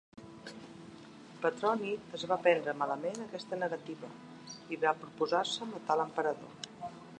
Petroni es va prendre malament aquesta negativa i va proposar-se matar l'emperador.